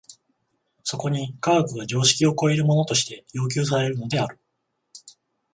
そこに科学が常識を超えるものとして要求されるのである。